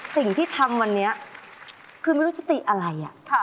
สิ่งที่ทำวันนี้คือไม่รู้จะติอะไร